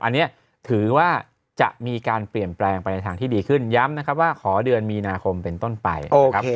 อันนี้ถือว่าจะมีการเปลี่ยนแปลงไปในทางที่ดีขึ้นย้ำนะครับว่าขอเดือนมีนาคมเป็นต้นไปนะครับ